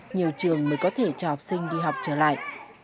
nhiều trường mới có thể cho học sinh đi học trở lại